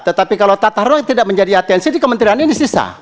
tetapi kalau tata ruang tidak menjadi atensi di kementerian ini sisa